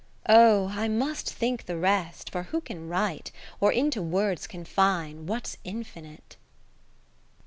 Oh ! I must think the rest ; for who can write, Or into words confine what's infinite?